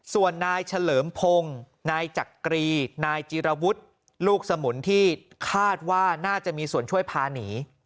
ส่วนนายเฉลิมพงศ์นายจักรีนายจิรวุฒิลูกสมุนที่คาดว่าน่าจะมีส่วนช่วยพาหนี